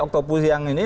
octopus yang ini